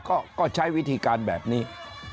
ก็ใช้วิธีการแบบนี้